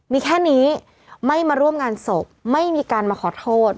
มีแค่นี้ไม่มาร่วมงานศพไม่มีการมาขอโทษ